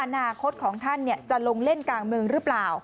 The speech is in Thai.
อนาคตของท่านจะลงเล่นการเมืองหรือเปล่า